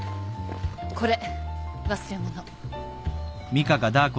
これ忘れ物。